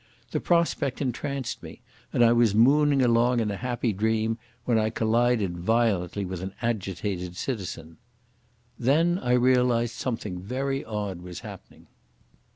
The prospect entranced me, and I was mooning along in a happy dream, when I collided violently with in agitated citizen. Then I realised that something very odd was happening.